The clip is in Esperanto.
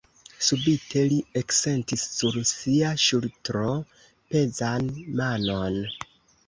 Subite li eksentis sur sia ŝultro pezan manon.